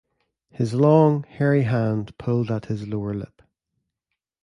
His long hairy hand pulled at his lower lip.